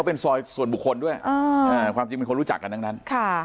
เป็นซอยส่วนบุคคลด้วยความจริงเป็นคนรู้จักกันทั้งนั้น